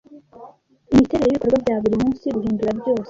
Imiterere yibikorwa bya buri munsi, guhindura byose